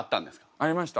ありました。